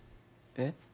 えっ？